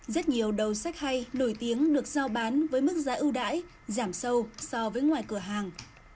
rất nhiều đầu sách hay nổi tiếng được giao bán với mức giá ưu đãi giảm sâu so với ngoài cửa hàng